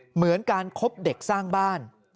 เหมือนการคบเด็กสร้างบ้าน